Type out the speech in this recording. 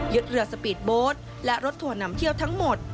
ยึดเรือสปีดโบ๊ทและรถถวนนำเที่ยวทั้งหมด